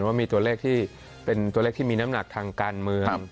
ว่ามีตัวเลขที่มีน้ำหนักทางการเมือง